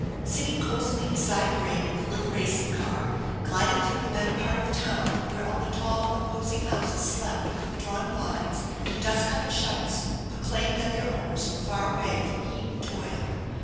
Sitting cozily beside Graham in the little racing car, gliding through the better part of town where all the tall, imposing houses slept with drawn blinds, and dust covered shutters proclaimed that their owners were far away from heat and toil.